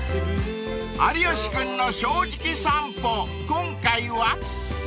［今回は］